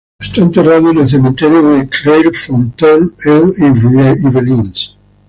Está enterrado en el cementerio de Clairefontaine-en-Yvelines.